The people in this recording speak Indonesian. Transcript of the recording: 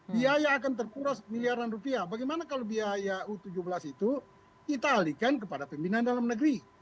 biaya akan terpura miliaran rupiah bagaimana kalau biaya u tujuh belas itu kita alihkan kepada pembinaan dalam negeri